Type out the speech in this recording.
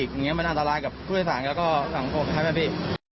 อย่างนี้มันอันตรายกับผู้โดยสารแล้วก็สังคมใช่ไหมพี่